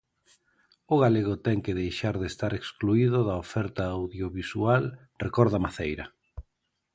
O galego ten que deixar de estar excluído da oferta audiovisual recorda Maceira.